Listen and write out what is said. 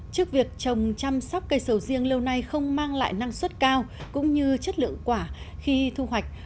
trước việc trồng chăm sóc cây sầu riêng lâu nay không mang lại năng suất cao cũng như chất lượng quả khi thu hoạch